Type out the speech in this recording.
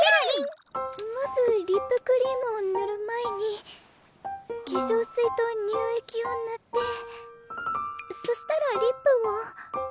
まずリップクリームを塗る前に化粧水と乳液を塗ってそしたらリップを。